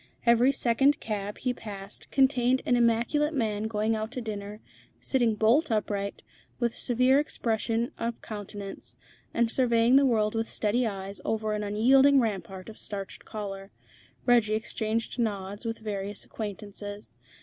Every second cab he passed contained an immaculate man going out to dinner, sitting bolt upright, with a severe expression of countenance, and surveying the world with steady eyes over an unyielding rampart of starched collar. Reggie exchanged nods with various acquaintances.